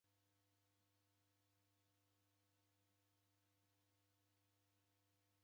Imbe napwanee na Msagha aja modenyi.